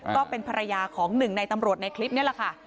ก็เป็นภรรยาของหนึ่งในตำรวจในคลิปนี้แหละค่ะ